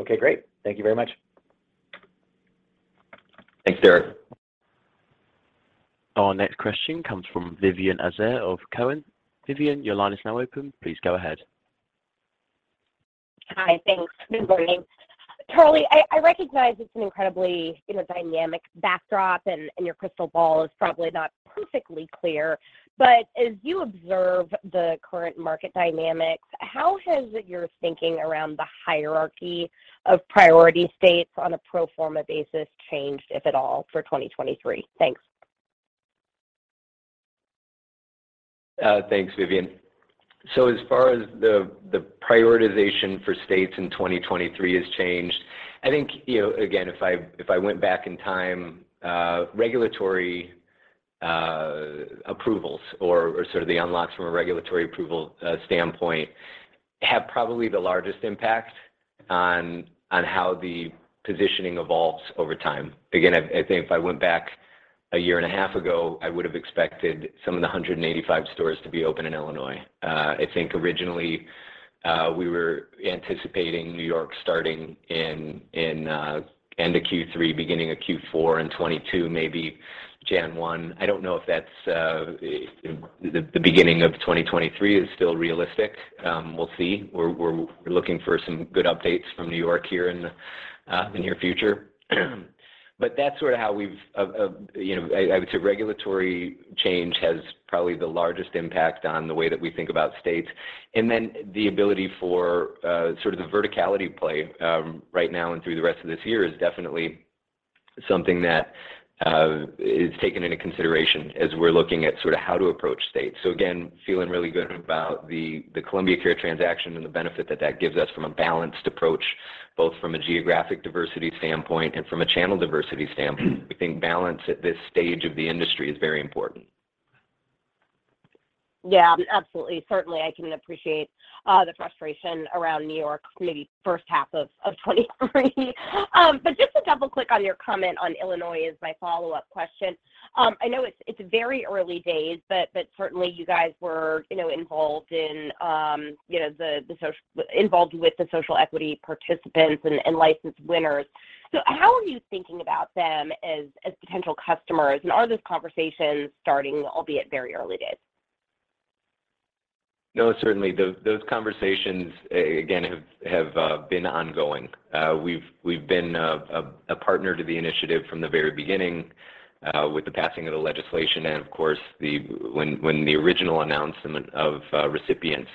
Okay, great. Thank you very much. Thanks, Derek. Our next question comes from Vivien Azer of Cowen. Vivien, your line is now open. Please go ahead. Hi. Thanks. Good morning. Charlie, I recognize it's an incredibly, you know, dynamic backdrop and your crystal ball is probably not perfectly clear. As you observe the current market dynamics, how has your thinking around the hierarchy of priority states on a pro forma basis changed, if at all, for 2023? Thanks. Thanks, Vivien. As far as the prioritization for states in 2023 has changed, I think, you know, again, if I went back in time, regulatory approvals or sort of the unlocks from a regulatory approval standpoint have probably the largest impact on how the positioning evolves over time. Again, I think if I went back a year and a half ago, I would have expected some of the 185 stores to be open in Illinois. I think originally, we were anticipating New York starting in end of Q3, beginning of Q4 in 2022, maybe January 1. I don't know if that's the beginning of 2023 is still realistic. We'll see. We're looking for some good updates from New York here in the near future. That's sort of how we've you know I would say regulatory change has probably the largest impact on the way that we think about states. The ability for sort of the verticality play right now and through the rest of this year is definitely something that is taken into consideration as we're looking at sort of how to approach states. Again, feeling really good about the Columbia Care transaction and the benefit that gives us from a balanced approach, both from a geographic diversity standpoint and from a channel diversity standpoint. We think balance at this stage of the industry is very important. Yeah, absolutely. Certainly, I can appreciate the frustration around New York maybe first half of 2023. Just to double-click on your comment on Illinois is my follow-up question. I know it's very early days, but certainly you guys were, you know, involved with the social equity participants and license winners. How are you thinking about them as potential customers? Are those conversations starting, albeit very early days? No, certainly. Those conversations again have been ongoing. We've been a partner to the initiative from the very beginning with the passing of the legislation and of course when the original announcement of recipients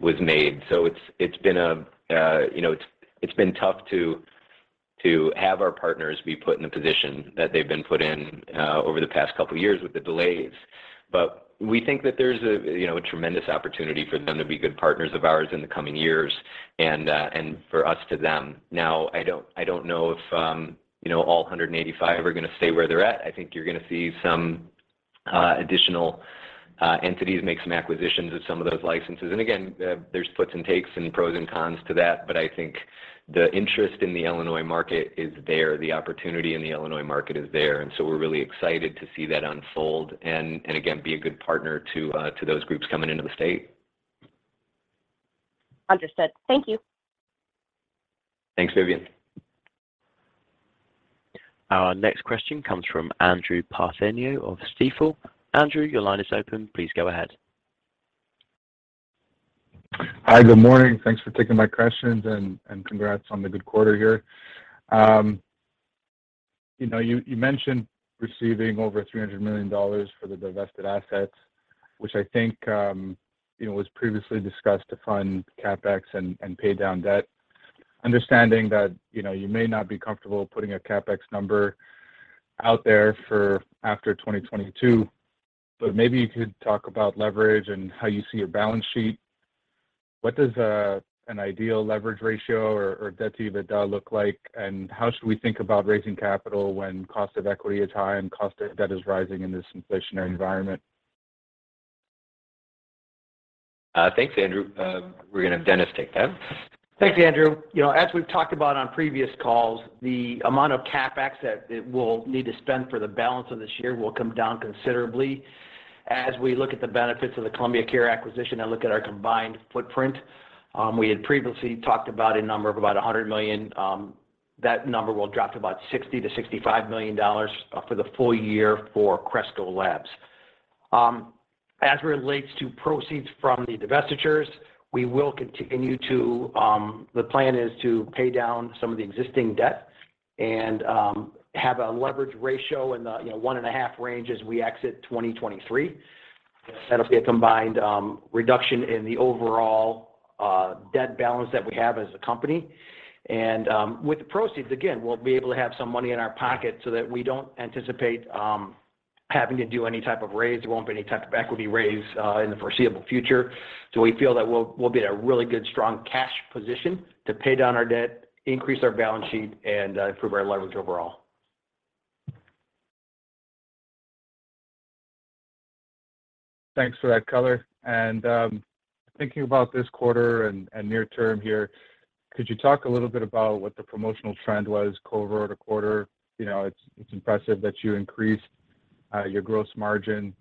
was made. It's been, you know, tough to have our partners be put in a position that they've been put in over the past couple of years with the delays. We think that there's, you know, a tremendous opportunity for them to be good partners of ours in the coming years and for us to them. I don't know if, you know, all 185 are gonna stay where they're at. I think you're gonna see some additional entities make some acquisitions of some of those licenses. Again, there's puts and takes and pros and cons to that, but I think the interest in the Illinois market is there. The opportunity in the Illinois market is there. We're really excited to see that unfold and again, be a good partner to those groups coming into the state. Understood. Thank you. Thanks, Vivien. Our next question comes from Andrew Partheniou of Stifel. Andrew, your line is open. Please go ahead. Hi, good morning. Thanks for taking my questions and congrats on the good quarter here. You know, you mentioned receiving over $300 million for the divested assets, which I think you know was previously discussed to fund CapEx and pay down debt. Understanding that you know you may not be comfortable putting a CapEx number out there for after 2022, but maybe you could talk about leverage and how you see your balance sheet. What does an ideal leverage ratio or debt-to-EBITDA look like? How should we think about raising capital when cost of equity is high and cost of debt is rising in this inflationary environment? Thanks, Andrew. We're gonna have Dennis take that. Thanks, Andrew. You know, as we've talked about on previous calls, the amount of CapEx that it will need to spend for the balance of this year will come down considerably as we look at the benefits of the Columbia Care acquisition and look at our combined footprint. We had previously talked about a number of about $100 million. That number will drop to about $60-65 million for the full year for Cresco Labs. As relates to proceeds from the divestitures, the plan is to pay down some of the existing debt and have a leverage ratio in the, you know, 1.5 range as we exit 2023. That'll be a combined reduction in the overall debt balance that we have as a company. With the proceeds, again, we'll be able to have some money in our pocket so that we don't anticipate having to do any type of raise. There won't be any type of equity raise in the foreseeable future. We feel that we'll be in a really good, strong cash position to pay down our debt, increase our balance sheet, and improve our leverage overall. Thanks for that color. Thinking about this quarter and near term here, could you talk a little bit about what the promotional trend was quarter-over-quarter? You know, it's impressive that you increased your gross margin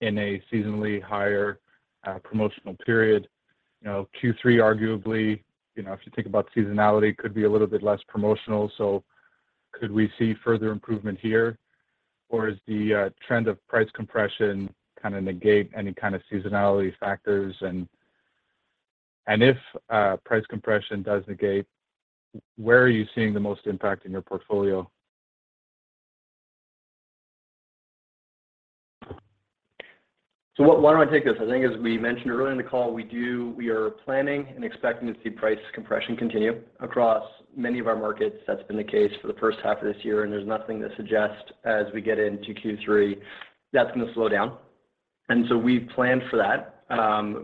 in a seasonally higher promotional period. You know, Q3 arguably, you know, if you think about seasonality, could be a little bit less promotional. So could we see further improvement here or is the trend of price compression kinda negate any kind of seasonality factors? If price compression does negate, where are you seeing the most impact in your portfolio? Why don't I take this? I think as we mentioned earlier in the call, we are planning and expecting to see price compression continue across many of our markets. That's been the case for the first half of this year, and there's nothing to suggest as we get into Q3 that's gonna slow down. We've planned for that.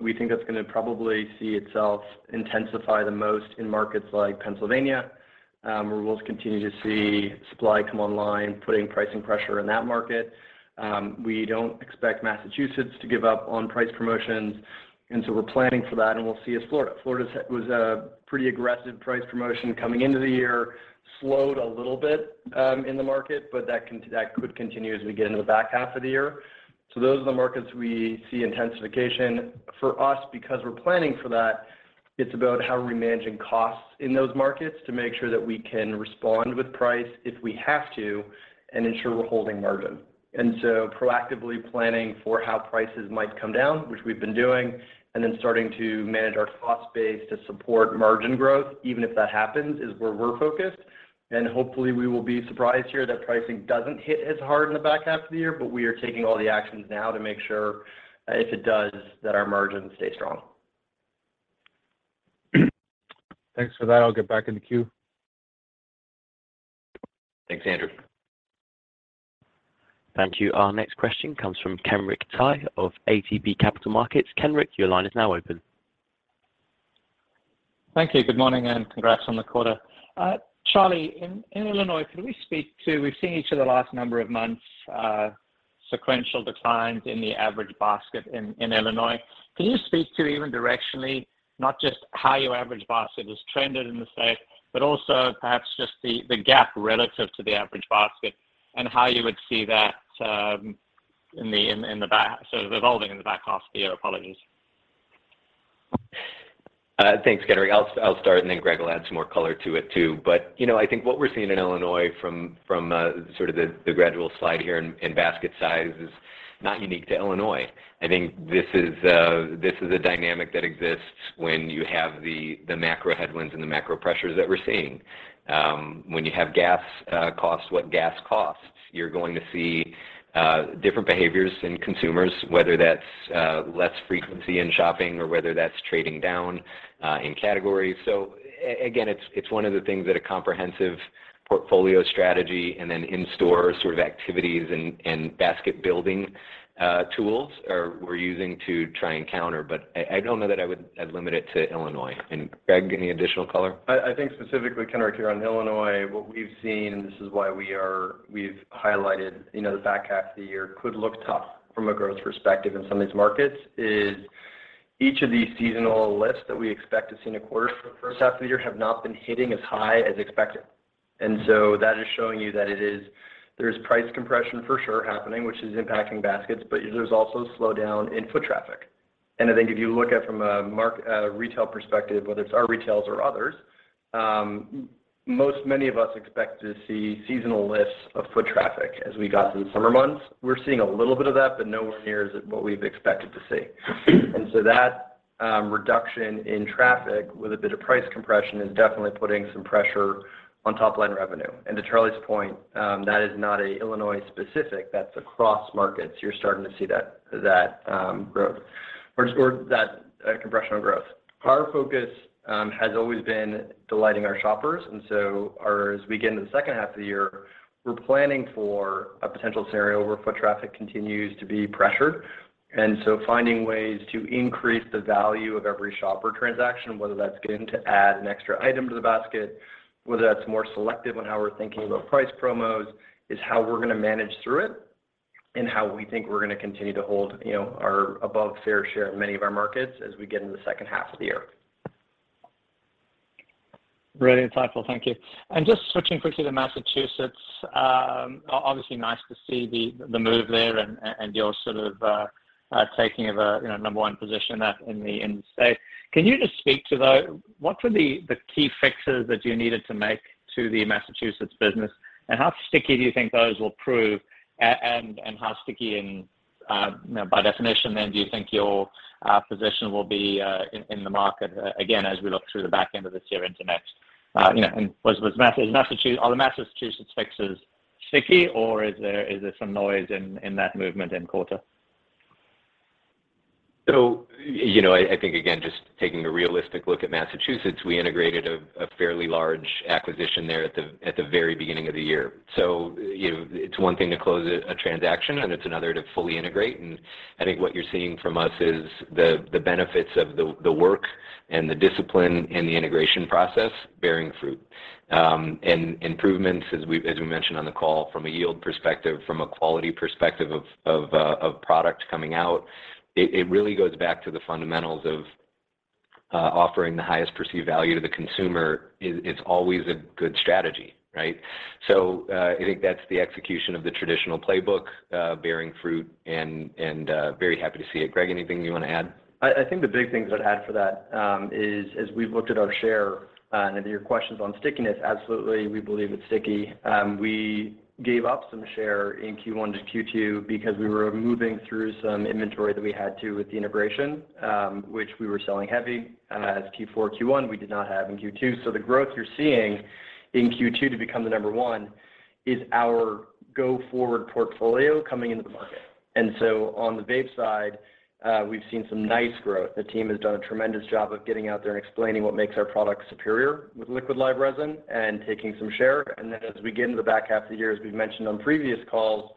We think that's gonna probably see itself intensify the most in markets like Pennsylvania, where we'll continue to see supply come online, putting pricing pressure in that market. We don't expect Massachusetts to give up on price promotions, and so we're planning for that. We'll see if Florida..... Florida was a pretty aggressive price promotion coming into the year, slowed a little bit in the market, but that could continue as we get into the back half of the year. Those are the markets we see intensification. For us, because we're planning for that, it's about how are we managing costs in those markets to make sure that we can respond with price if we have to and ensure we're holding margin. Proactively planning for how prices might come down, which we've been doing, and then starting to manage our cost base to support margin growth, even if that happens, is where we're focused. Hopefully we will be surprised here that pricing doesn't hit as hard in the back half of the year, but we are taking all the actions now to make sure if it does, that our margins stay strong. Thanks for that. I'll get back in the queue. Thanks, Andrew. Thank you. Our next question comes from Kenric Tyghe of ATB Capital Markets. Kenric, your line is now open. Thank you. Good morning, and congrats on the quarter. Charlie, in Illinois, could we speak to, we've seen each of the last number of months, sequential declines in the average basket in Illinois. Can you speak to even directionally not just how your average basket has trended in the state but also perhaps just the gap relative to the average basket and how you would see that sort of evolving in the back half of the year? Apologies. Thanks, Kenric. I'll start and then Greg will add some more color to it too. You know, I think what we're seeing in Illinois from sort of the gradual slide here in basket size is not unique to Illinois. I think this is a dynamic that exists when you have the macro headwinds and the macro pressures that we're seeing. When you have gas costs what gas costs, you're going to see different behaviors in consumers, whether that's less frequency in shopping or whether that's trading down in categories. Again, it's one of the things that a comprehensive portfolio strategy and then in-store sort of activities and basket building tools we're using to try and counter. I don't know that I'd limit it to Illinois. Greg, any additional color? I think specifically, Kenric, here on Illinois, what we've seen, and this is why we've highlighted, you know, the back half of the year could look tough from a growth perspective in some of these markets, is each of these seasonal lifts that we expect to see in a quarter for the first half of the year have not been hitting as high as expected. That is showing you that there's price compression for sure happening, which is impacting baskets, but there's also slowdown in foot traffic. I think if you look at from a retail perspective, whether it's our retails or others, many of us expect to see seasonal lifts of foot traffic as we got through the summer months. We're seeing a little bit of that, but nowhere near as what we've expected to see. That reduction in traffic with a bit of price compression is definitely putting some pressure on top line revenue. To Charlie's point, that is not an Illinois-specific, that's across markets. You're starting to see that growth or that compression on growth. Our focus has always been delighting our shoppers. As we get into the second half of the year, we're planning for a potential scenario where foot traffic continues to be pressured. Finding ways to increase the value of every shopper transaction, whether that's getting to add an extra item to the basket, whether that's more selective on how we're thinking about price promos, is how we're gonna manage through it and how we think we're gonna continue to hold, you know, our above fair share in many of our markets as we get into the second half of the year. Very insightful. Thank you. Just switching quickly to Massachusetts, obviously nice to see the move there and your sort of taking of a number one position in the state. Can you just speak to what were the key fixes that you needed to make to the Massachusetts business, and how sticky do you think those will prove and how sticky and you know, by definition then do you think your position will be in the market again as we look through the back end of this year into next? Are the Massachusetts fixes sticky or is there some noise in that movement in quarter? You know, I think again, just taking a realistic look at Massachusetts, we integrated a fairly large acquisition there at the very beginning of the year. You know, it's one thing to close a transaction and it's another to fully integrate. I think what you're seeing from us is the benefits of the work and the discipline in the integration process bearing fruit. Improvements, as we mentioned on the call from a yield perspective, from a quality perspective of product coming out, it really goes back to the fundamentals of Offering the highest perceived value to the consumer is always a good strategy, right? I think that's the execution of the traditional playbook, bearing fruit and very happy to see it. Greg, anything you want to add? I think the big thing I'd add for that is as we've looked at our share and to your questions on stickiness, absolutely, we believe it's sticky. We gave up some share in Q1 to Q2 because we were moving through some inventory that we had to with the integration, which we were selling heavily in Q4 and Q1, we did not have in Q2. The growth you're seeing in Q2 to become the number one is our go-forward portfolio coming into the market. On the vape side, we've seen some nice growth. The team has done a tremendous job of getting out there and explaining what makes our products superior with liquid live resin and taking some share. Then as we get into the back half of the year, as we've mentioned on previous calls,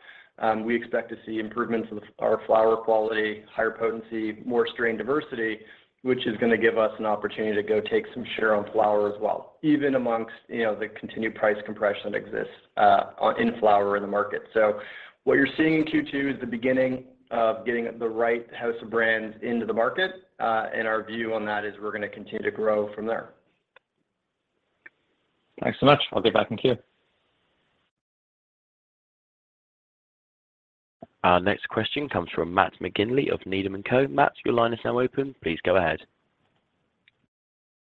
we expect to see improvements with our flower quality, higher potency, more strain diversity, which is gonna give us an opportunity to go take some share on flower as well, even amongst, you know, the continued price compression that exists, in flower in the market. What you're seeing in Q2 is the beginning of getting the right House of Brands into the market, and our view on that is we're gonna continue to grow from there. Thanks so much. I'll give back in queue. Our next question comes from Matt McGinley of Needham & Company. Matt, your line is now open. Please go ahead.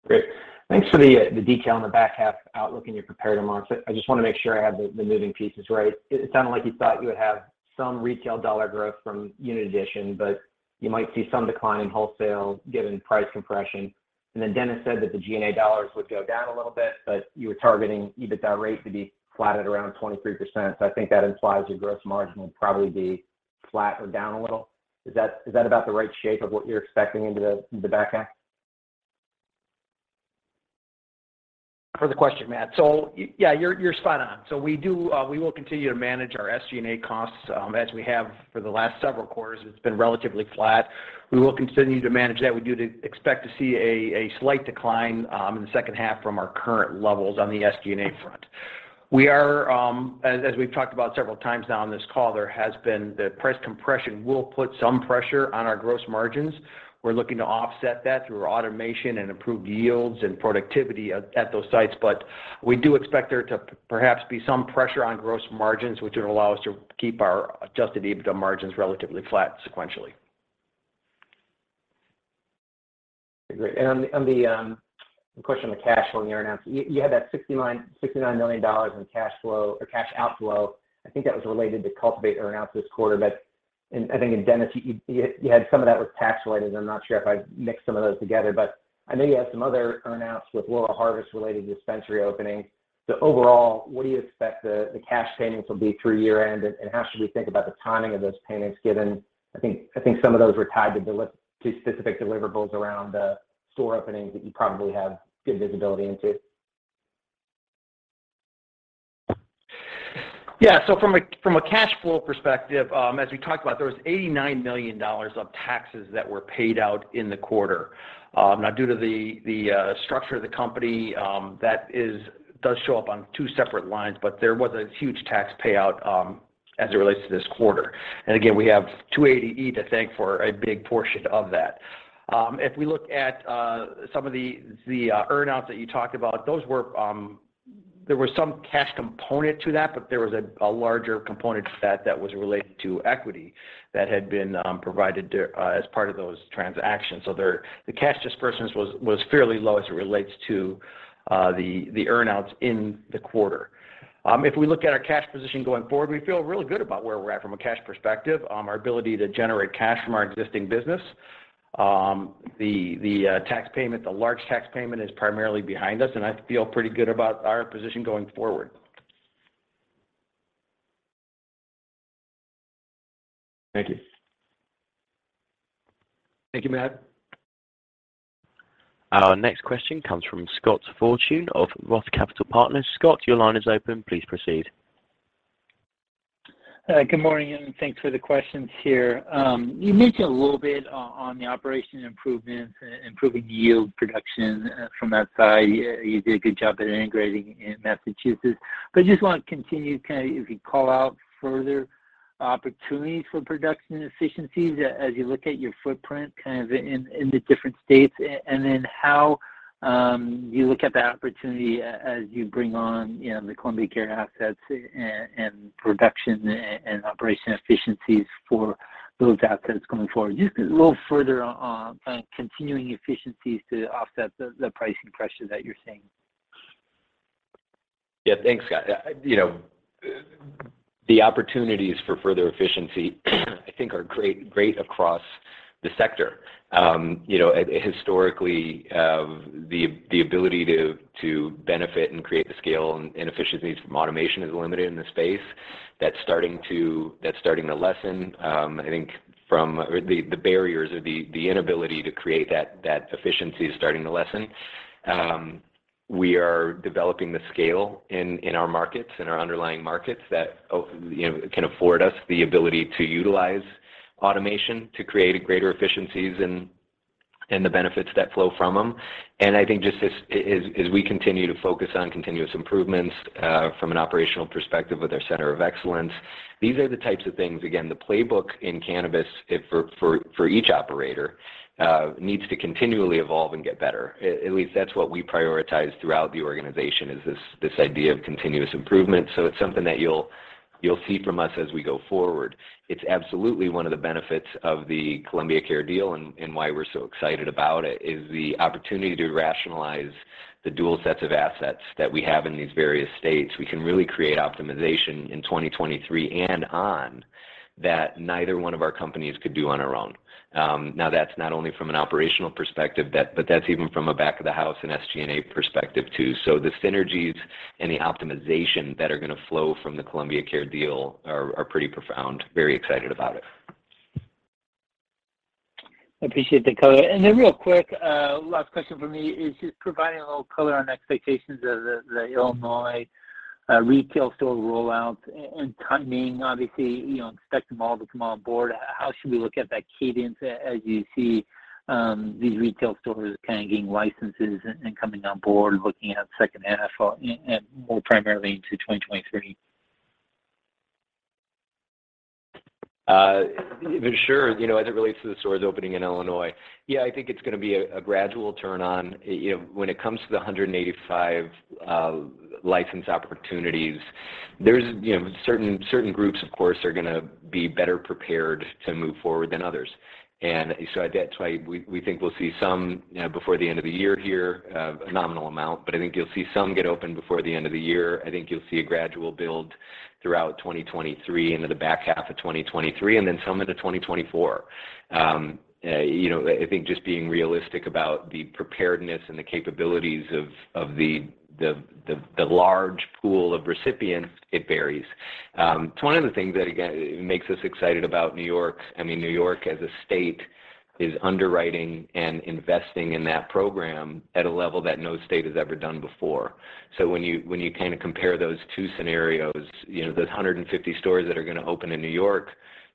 Great. Thanks for the detail on the back half outlook and your comparative market. I just want to make sure I have the moving pieces right. It sounded like you thought you would have some retail dollar growth from unit addition, but you might see some decline in wholesale given price compression. Then Dennis said that the SG&A dollars would go down a little bit, but you were targeting EBITDA rate to be flat at around 23%. I think that implies your gross margin will probably be flat or down a little. Is that about the right shape of what you're expecting into the back half? For the question, Matt. Yeah, you're spot on. We do, we will continue to manage our SG&A costs, as we have for the last several quarters. It's been relatively flat. We will continue to manage that. We do expect to see a slight decline in the second half from our current levels on the SG&A front. We are, as we've talked about several times now on this call, there has been. Price compression will put some pressure on our gross margins. We're looking to offset that through automation and improved yields and productivity at those sites. We do expect there to perhaps be some pressure on gross margins, which would allow us to keep our Adjusted EBITDA margins relatively flat sequentially. Great. On the question on the cash flow in your announcement, you had that $69 million in cash flow or cash outflow. I think that was related to Cultivate earn-outs this quarter. I think, and Dennis, you had some of that was tax related. I'm not sure if I mixed some of those together, but I know you had some other earn-outs with Bluma Wellness related dispensary openings. Overall, what do you expect the cash payments will be through year-end? How should we think about the timing of those payments given, I think some of those were tied to specific deliverables around the store openings that you probably have good visibility into. Yeah. From a cash flow perspective, as we talked about, there was $89 million of taxes that were paid out in the quarter. Now due to the structure of the company, that does show up on two separate lines, but there was a huge tax payout as it relates to this quarter. Again, we have 280E to thank for a big portion of that. If we look at some of the earn-outs that you talked about, there was some cash component to that, but there was a larger component to that that was related to equity that had been provided as part of those transactions. The cash disbursements was fairly low as it relates to the earn-outs in the quarter. If we look at our cash position going forward, we feel really good about where we're at from a cash perspective, our ability to generate cash from our existing business. The tax payment, the large tax payment is primarily behind us. I feel pretty good about our position going forward. Thank you. Thank you, Matt. Our next question comes from Scott Fortune of ROTH Capital Partners. Scott, your line is open. Please proceed. Good morning, and thanks for the questions here. You mentioned a little bit on the operation improvements, improving yield production from that side. You did a good job at integrating in Massachusetts. I just want to continue to kind of if you call out further opportunities for production efficiencies as you look at your footprint kind of in the different states, and then how you look at the opportunity as you bring on, you know, the Columbia Care assets and production and operation efficiencies for those assets going forward. Just a little further on continuing efficiencies to offset the pricing pressure that you're seeing. Yeah. Thanks, Scott. You know, the opportunities for further efficiency, I think are great across the sector. You know, historically, the ability to benefit and create the scale and efficiency from automation is limited in this space. That's starting to lessen. I think the barriers or the inability to create that efficiency is starting to lessen. We are developing the scale in our markets, in our underlying markets that, you know, can afford us the ability to utilize automation to create a greater efficiencies in the benefits that flow from them. I think just as we continue to focus on continuous improvements from an operational perspective with our center of excellence, these are the types of things, again, the playbook in cannabis for each operator needs to continually evolve and get better. At least that's what we prioritize throughout the organization is this idea of continuous improvement. It's something that you'll see from us as we go forward. It's absolutely one of the benefits of the Columbia Care deal and why we're so excited about it, is the opportunity to rationalize the dual sets of assets that we have in these various states. We can really create optimization in 2023 and on that neither one of our companies could do on our own. Now that's not only from an operational perspective but that's even from a back of the house and SG&A perspective too. The synergies and the optimization that are gonna flow from the Columbia Care deal are pretty profound. Very excited about it. Appreciate the color. Real quick, last question from me is just providing a little color on expectations of the Illinois retail store rollout and timing, obviously, you know, expect them all to come on board. How should we look at that cadence as you see these retail stores kind of getting licenses and coming on board, looking at second half and more primarily into 2023? Sure. You know, as it relates to the stores opening in Illinois. Yeah, I think it's gonna be a gradual turn on. You know, when it comes to the 185 license opportunities, there's you know certain groups of course are gonna be better prepared to move forward than others. That's why we think we'll see some before the end of the year here, a nominal amount, but I think you'll see some get open before the end of the year. I think you'll see a gradual build throughout 2023 into the back half of 2023, and then some into 2024. You know, I think just being realistic about the preparedness and the capabilities of the large pool of recipients, it varies. It's one of the things that again makes us excited about New York. I mean, New York as a state is underwriting and investing in that program at a level that no state has ever done before. When you kind of compare those two scenarios, you know, those 150 stores that are gonna open in New York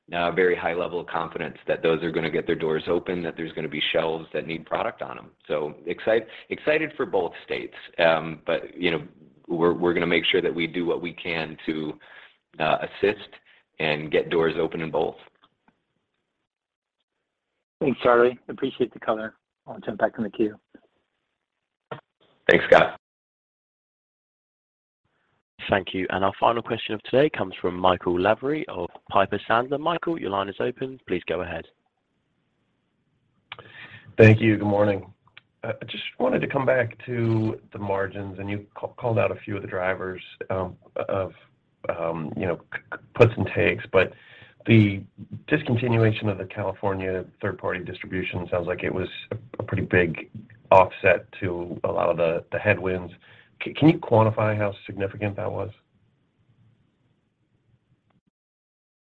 now have very high level of confidence that those are gonna get their doors open, that there's gonna be shelves that need product on them. Excited for both states. You know, we're gonna make sure that we do what we can to assist and get doors open in both. Thanks, Charlie. Appreciate the color. I'll jump back in the queue. Thanks, Scott. Thank you. Our final question of today comes from Michael Lavery of Piper Sandler. Michael, your line is open. Please go ahead. Thank you. Good morning. I just wanted to come back to the margins, and you called out a few of the drivers of you know, puts and takes, but the discontinuation of the California third-party distribution sounds like it was a pretty big offset to a lot of the headwinds. Can you quantify how significant that was?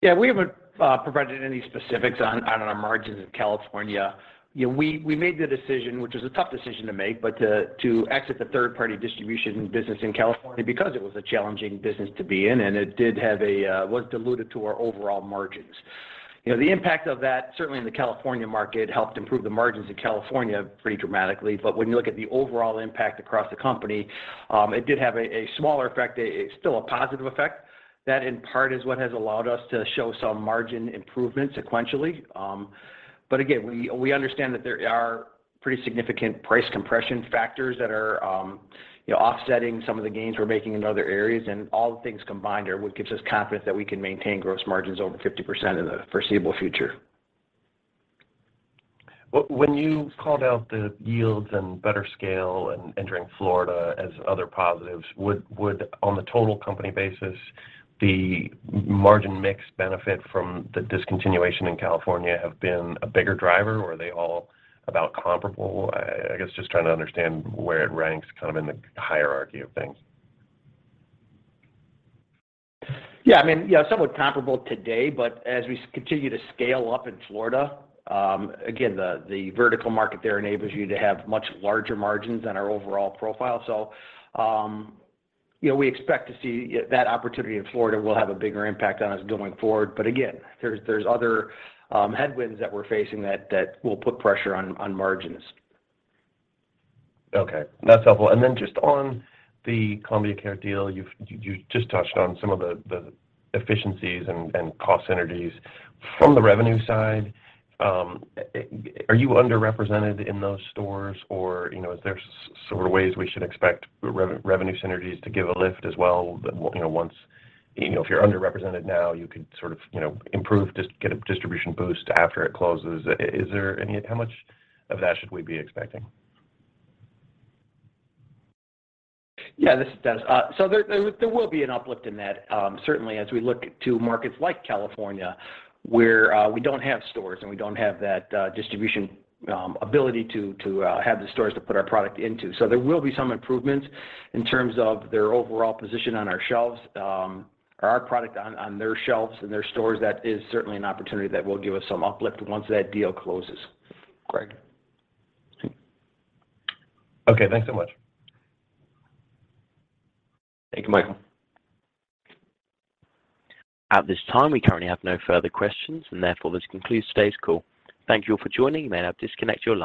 Yeah. We haven't provided any specifics on our margins in California. You know, we made the decision, which was a tough decision to make, but to exit the third-party distribution business in California because it was a challenging business to be in, and it was dilutive to our overall margins. You know, the impact of that, certainly in the California market, helped improve the margins in California pretty dramatically. When you look at the overall impact across the company, it did have a smaller effect. It's still a positive effect. That in part is what has allowed us to show some margin improvement sequentially. Again, we understand that there are pretty significant price compression factors that are, you know, offsetting some of the gains we're making in other areas. All the things combined are what gives us confidence that we can maintain gross margins over 50% in the foreseeable future. When you called out the yields and better scale and entering Florida as other positives, would on the total company basis, the margin mix benefit from the discontinuation in California have been a bigger driver, or are they all about comparable? I guess just trying to understand where it ranks kind of in the hierarchy of things. Yeah. I mean, yeah, somewhat comparable today, but as we continue to scale up in Florida, again, the vertical market there enables you to have much larger margins than our overall profile. You know, we expect to see that opportunity in Florida will have a bigger impact on us going forward. Again, there's other headwinds that we're facing that will put pressure on margins. Okay. That's helpful. Just on the Columbia Care deal, you just touched on some of the efficiencies and cost synergies. From the revenue side, are you underrepresented in those stores or, you know, is there sort of ways we should expect revenue synergies to give a lift as well, you know, once, you know, if you're underrepresented now, you could sort of, you know, improve, get a distribution boost after it closes. Is there any? How much of that should we be expecting? Yeah. This is Dennis. There will be an uplift in that, certainly as we look to markets like California, where we don't have stores and we don't have that distribution ability to have the stores to put our product into. There will be some improvements in terms of their overall position on our shelves, or our product on their shelves in their stores. That is certainly an opportunity that will give us some uplift once that deal closes. Greg. Okay. Thanks so much. Thank you, Michael. At this time, we currently have no further questions, and therefore, this concludes today's call. Thank you all for joining. You may now disconnect your lines.